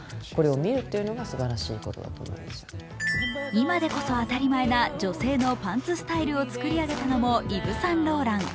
今でこそ当たり前な女性のパンツスタイルを作り上げたのもイヴ・サンローラン。